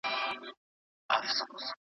ږغ یې نه ځي تر اسمانه له دُعا څخه لار ورکه